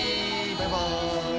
バイバーイ！